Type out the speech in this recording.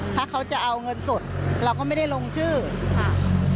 ถ้าเขาจะเอาเงินสดเราก็ไม่ได้ลงชื่อค่ะ